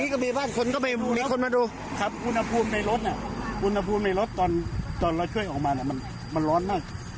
ข้างทางพูดมีลถตอนเราช่วยออกมามันร้อนมาก